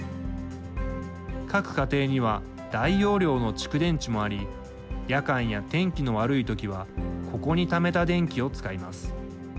各家庭には大容量の蓄電池もあり夜間や天気の悪い時はここに貯めた電気を使います。